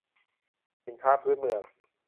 สินค้าพื้นเมือง